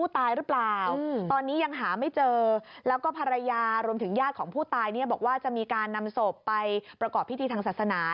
ตายบอกว่าจะมีการนำศพไปประกอบพิธีทางศาสนา